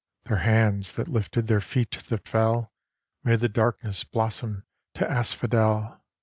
Their hands that lifted, their feet that fell, Made the darkness blossom to asphodel.